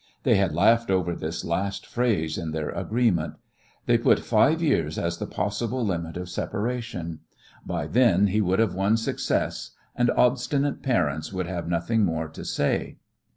They had laughed over this last phrase in their agreement. They put five years as the possible limit of separation. By then he would have won success, and obstinate parents would have nothing more to say.